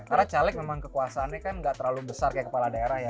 karena caleg memang kekuasaannya kan enggak terlalu besar kayak kepala daerah ya